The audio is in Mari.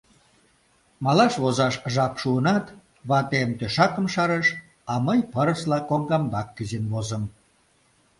Малаш возаш жап шуынат, ватем тӧшакым шарыш, а мый пырысла коҥгамбак кӱзен возым.